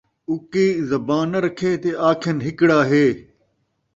اُکی زبان ناں رکھے تاں آکھن ہکڑا ہے